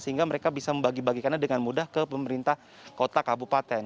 sehingga mereka bisa membagi bagikannya dengan mudah ke pemerintah kota kabupaten